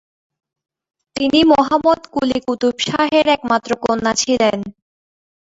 তিনি মুহাম্মদ কুলি কুতুব শাহের একমাত্র কন্যা ছিলেন।